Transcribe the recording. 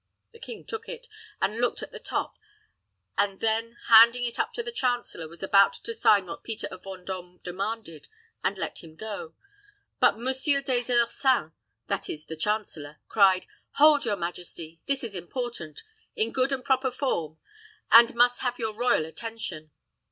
The king took it, just looked at the top, and then handing it up to the chancellor, was about to sign what Peter of Vendôme demanded, and let him go; but Monsieur Des Ursins that is the chancellor cried, 'Hold, your majesty. This is important; in good and proper form; and must have your royal attention.'